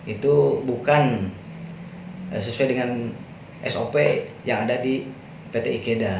itu bukan sesuai dengan sop yang ada di pt ikeda